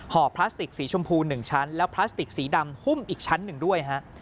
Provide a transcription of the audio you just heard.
พลาสติกสีชมพู๑ชั้นแล้วพลาสติกสีดำหุ้มอีกชั้นหนึ่งด้วยฮะ